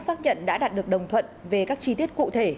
hàn quốc xác nhận đã đạt được đồng thuận về các chi tiết cụ thể